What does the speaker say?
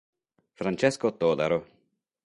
Francesco Todaro